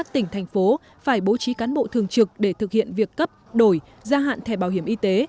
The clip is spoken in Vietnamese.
một mươi tỉnh thành phố phải bố trí cán bộ thường trực để thực hiện việc cấp đổi gia hạn thẻ bảo hiểm y tế